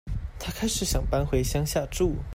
她開始想搬回鄉下住